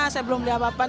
saya belum beli apa apaan